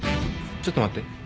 ちょっと待って。